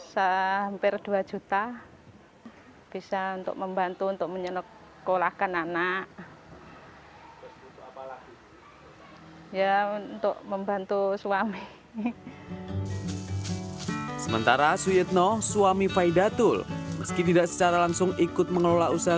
selain bisa dikerjakan di rumah dengan waktu yang longgar penghasilan per bulannya pun juga lumayan